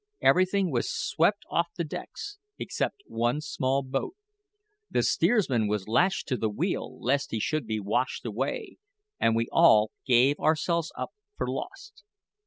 Everything was swept off the decks, except one small boat. The steersman was lashed to the wheel lest he should be washed away, and we all gave ourselves up for lost.